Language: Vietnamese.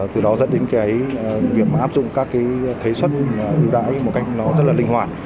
từ đó dẫn đến cái việc mà áp dụng các cái thuế xuất ưu đãi một cách nó rất là linh hoạt